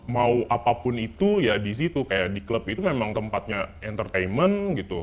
mau apapun itu ya di situ kayak di klub itu memang tempatnya entertainment gitu